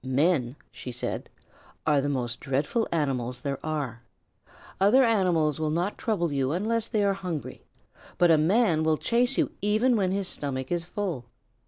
"Men," she said, "are the most dreadful animals there are. Other animals will not trouble you unless they are hungry, but a man will chase you even when his stomach is full.